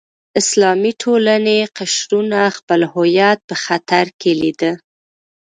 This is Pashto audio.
اسلامي ټولنې قشرونو خپل هویت په خطر کې لیده.